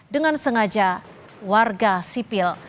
dengan sengaja warga sipil